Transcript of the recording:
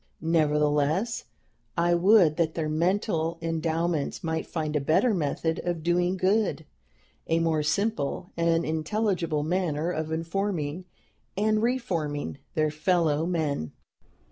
Nevertheless, I would that their mental endowments might find a better method of doing good, a more simple and intelligible manner of informing and reforming their fellow men....